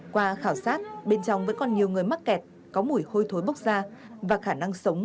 qua khảo sát bên trong vẫn còn nhiều người mắc kẹt có mùi hôi thối bốc da và khả năng sống